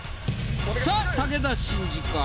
さあ武田真治か？